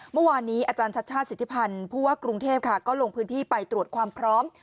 เมื่อวานนี้อาจารย์ชัชชาติสิทธิพันธ์ผู้ว่ากรุงเทพค่ะก็ลงพื้นที่ไปตรวจความพร้อม